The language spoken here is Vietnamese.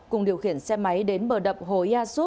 cùng điều khiển xe máy đến bờ đập hồ yà xúc hạ